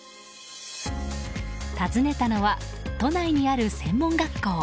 訪ねたのは都内にある専門学校。